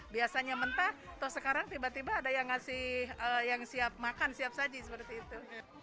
biasanya mentah sekarang tiba tiba ada yang siap makan siap saji seperti itu